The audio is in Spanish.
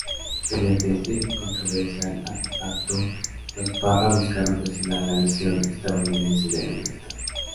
Mediante este controversial artefacto, los Parra buscaron cuestionar la visión estadounidense de la libertad.